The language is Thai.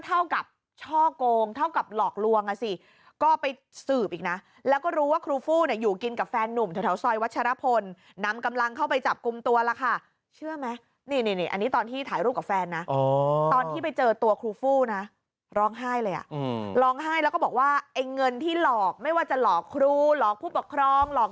เท่ากับช่อกงเท่ากับหลอกลวงอ่ะสิก็ไปสืบอีกนะแล้วก็รู้ว่าครูฟู้เนี่ยอยู่กินกับแฟนนุ่มแถวซอยวัชรพลนำกำลังเข้าไปจับกลุ่มตัวล่ะค่ะเชื่อไหมนี่นี่อันนี้ตอนที่ถ่ายรูปกับแฟนนะตอนที่ไปเจอตัวครูฟู้นะร้องไห้เลยอ่ะร้องไห้แล้วก็บอกว่าไอ้เงินที่หลอกไม่ว่าจะหลอกครูหลอกผู้ปกครองหลอก